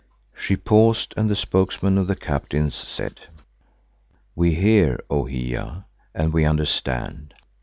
She paused and the spokesman of the captains said, "We hear, O Hiya, and we understand.